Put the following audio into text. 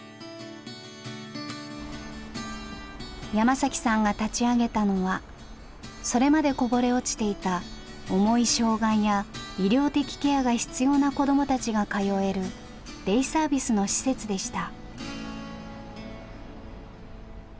山さんが立ち上げたのはそれまでこぼれ落ちていた重い障害や医療的ケアが必要な子どもたちが通えるデイサービスの施設でした。